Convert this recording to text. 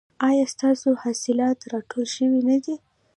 ایا ستاسو حاصلات راټول شوي نه دي؟